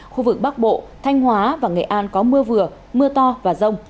khu vực bắc bộ thanh hóa và nghệ an có mưa vừa mưa to và rông